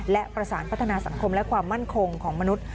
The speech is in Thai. และประสานพัฒนาสังคมและความมั่นคงของมนุษย์